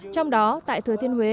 trong đó tại thừa thiên huế